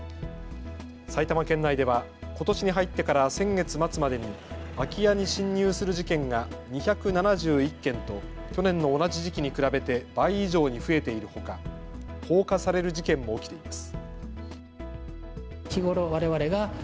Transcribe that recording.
埼玉県内ではことしに入ってから先月末までに空き家に侵入する事件が２７１件と去年の同じ時期に比べて倍以上に増えているほか放火される事件も起きています。